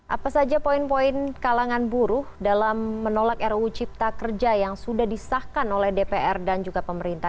apa saja poin poin kalangan buruh dalam menolak ruu cipta kerja yang sudah disahkan oleh dpr dan juga pemerintah